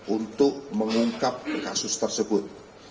untuk mengungkap kasus tersebut